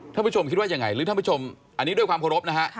ท่านผู้ชมคิดว่ายังไงหรือท่านผู้ชมอันนี้ด้วยความเคารพนะฮะ